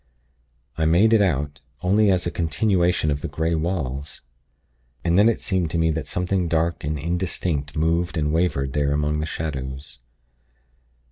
I made it out, only as a continuation of the grey walls.... And then it seemed to me that something dark and indistinct moved and wavered there among the shadows.